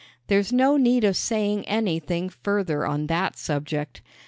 There's no need of saying anything further on that subject.